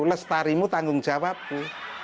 lestarimu tanggung jawabku